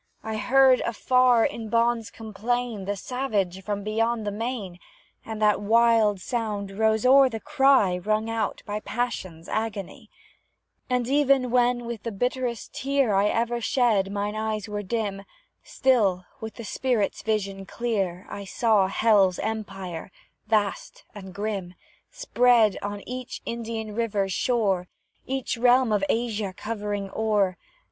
I heard, afar, in bonds complain The savage from beyond the main; And that wild sound rose o'er the cry Wrung out by passion's agony; And even when, with the bitterest tear I ever shed, mine eyes were dim, Still, with the spirit's vision clear, I saw Hell's empire, vast and grim, Spread on each Indian river's shore, Each realm of Asia covering o'er.